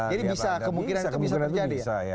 jadi bisa kemungkinan itu bisa terjadi ya